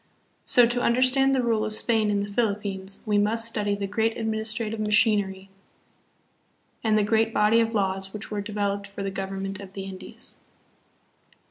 So to understand the rule of Spain in the Philippines, we must study the great administrative machinery and the 108 SPANISH SOLDIER AND MISSIONARY. 109 great body of laws which were developed for the govern ment of the Indies.